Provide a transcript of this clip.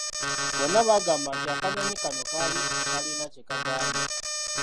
Bonna baagamba nti akanyonyi kano kaali kalina kye kagamba.”